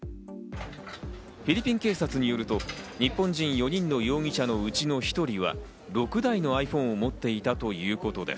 フィリピン警察によると、日本人４人の容疑者のうちの１人は、６台のｉＰｈｏｎｅを持っていたということです。